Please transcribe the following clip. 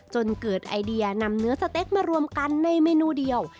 จนเกิดไอเดียนำเนื้อสเต็กมารวมกันในเมนูเดียว